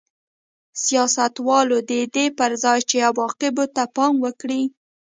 سیاستوالو د دې پر ځای چې عواقبو ته پام وکړي